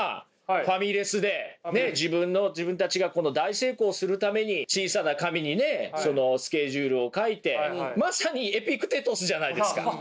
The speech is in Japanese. ファミレスで自分の自分たちが大成功するために小さな紙にスケジュールを書いてまさにエピクテトスじゃないですか！